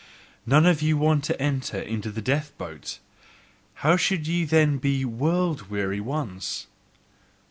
None of you want to enter into the death boat! How should ye then be WORLD WEARY ones!